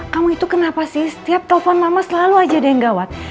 kamu itu kenapa sih setiap telepon mama selalu aja ada yang gawat